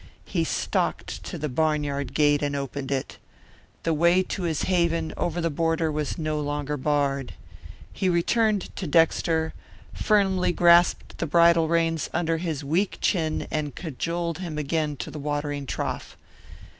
He stalked to the barnyard gate and opened it. The way to his haven over the border was no longer barred. He returned to Dexter, firmly grasped the bridle reins under his weak chin and cajoled him again to the watering trough.